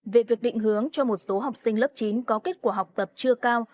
về việc định hướng cho một số học sinh lớp chín có kết quả học tập chưa cao